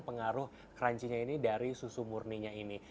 pengaruh crunchinessnya ini dari susu murninya ini